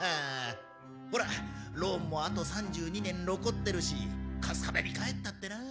ほら、ローンもあと３２年残っているし春日部に帰ったってな。